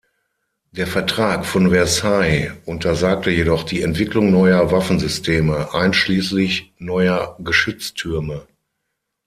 Der Vertrag von Versailles untersagte jedoch die Entwicklung neuer Waffensysteme, einschließlich neuer Geschütztürme.